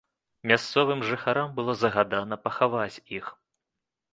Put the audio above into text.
Мясцовым жыхарам было загадана пахаваць іх.